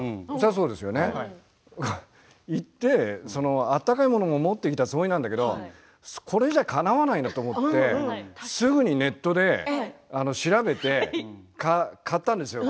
そうですよね行って暖かいものを持ってきたつもりなんだけどこれじゃかなわないなと思ってすぐにネットで調べて買ったんですよ。